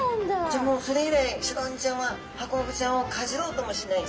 じゃあもうそれ以来シロワニちゃんはハコフグちゃんをかじろうともしない？